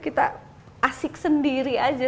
kita asik sendiri saja